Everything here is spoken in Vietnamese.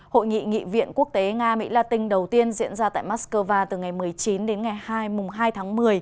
hội nghị nghị viện quốc tế nga mỹ latin đầu tiên diễn ra tại moscow từ ngày một mươi chín đến ngày hai tháng một mươi